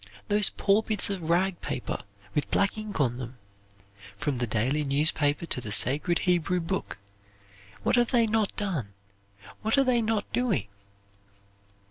Those poor bits of rag paper with black ink on them; from the Daily Newspaper to the sacred Hebrew Book, what have they not done, what are they not doing?"